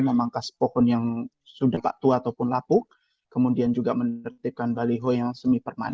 memangkas pokon yang sudah tak tua ataupun lapu kemudian juga menertibkan baliho yang semi perman